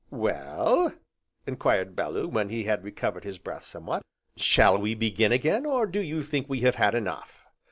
"Well?" enquired Bellew, when he had recovered his breath somewhat, "shall we begin again, or do you think we have had enough?